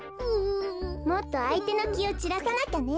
もっとあいてのきをちらさなきゃね。